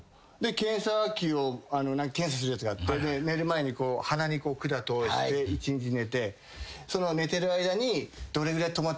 検査器を検査するやつがあって寝る前に鼻に管通して一日寝て。